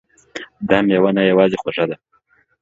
دا میوه نه یوازې خوږه ده